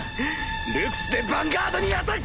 ルクスでヴァンガードにアタック！